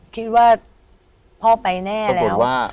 คิดว่าพ่อไปแน่แล้ว